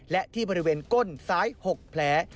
และที่บริเวณก้นซ้าย๖แผล